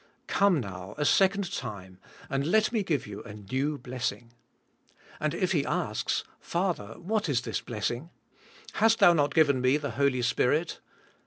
Come now, a second time, and let me g ive you a new blessing . And if he asks. Father, what is this blessing ? Hast Thou not g iven me the Holy Spirit?